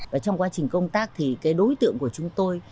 và trong quá trình công tác thì cái đối tượng của chúng tôi